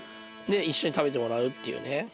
で一緒に食べてもらうっていうね。